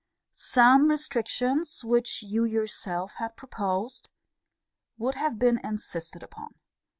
Some restrictions which you yourself had proposed, would have been insisted upon.